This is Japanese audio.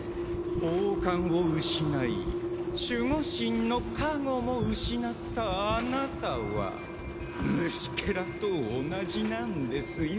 王冠を失い守護神の加護も失ったあなたは虫けらと同じなんですよ。